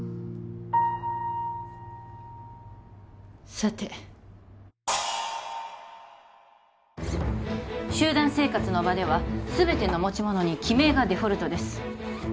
さて集団生活の場ではすべての持ち物に記名がデフォルトです